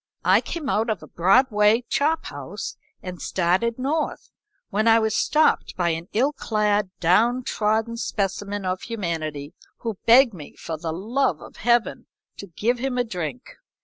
I came out of a Broadway chop house and started north, when I was stopped by an ill clad, down trodden specimen of humanity, who begged me, for the love of Heaven to give him a drink.